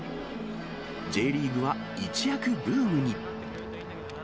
Ｊリーグは一躍ブームに。